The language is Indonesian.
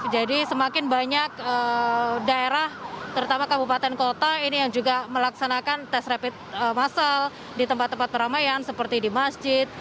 jadi semakin banyak daerah terutama kabupaten kota ini yang juga melaksanakan tes rapid massal di tempat tempat peramaian seperti di masjid